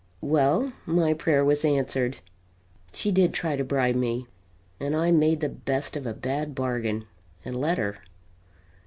Well, my prayer was answered; she did try to bribe me; and I made the best of a bad bargain and let her.